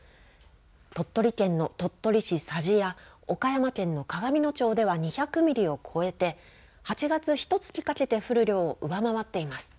鳥取県の鳥取市佐治や岡山県の鏡野町では２００ミリを超えて８月ひとつきかけて降る量を上回っています。